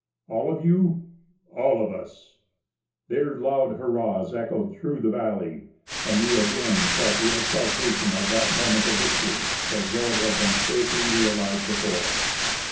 " All of you ?"" All of us !" Their loud hurrahs echoed through the valley, and we again felt the exultation of that moment of victory as though it had been scarcely realized before.